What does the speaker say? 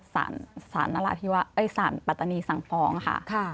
สารปรัตนีสังฟองค่ะ